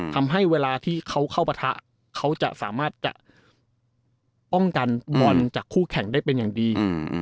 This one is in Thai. ทำให้เวลาที่เขาเข้าปะทะเขาจะสามารถจะป้องกันบอลจากคู่แข่งได้เป็นอย่างดี